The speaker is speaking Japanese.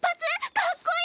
かっこいい！